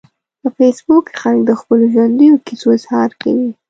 په فېسبوک کې خلک د خپلو ژوندیو کیسو اظهار کوي